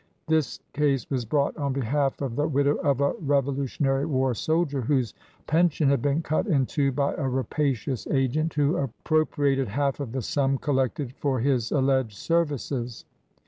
This case was brought on behalf of the widow of a Revolutionary War soldier whose pension had been cut in two by a rapacious agent, who appropriated half of the sum collected for his alleged services.